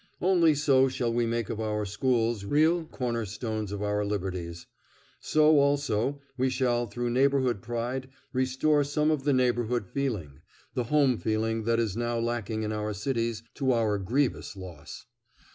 Only so shall we make of our schools real corner stones of our liberties. So, also, we shall through neighborhood pride restore some of the neighborhood feeling, the home feeling that is now lacking in our cities to our grievous loss.